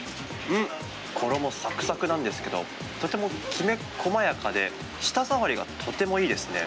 衣さくさくなんですけど、とてもきめ細やかで、舌触りがとてもいいですね。